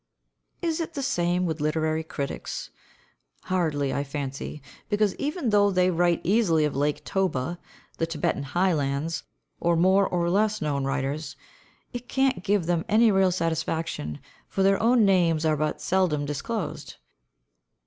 Is it the same with literary critics? Hardly, I fancy; because even though they write easily of Lake Toba, the Thibetan highlands, or more or less known writers, it can't give them any real satisfaction, for their own names are but seldom disclosed.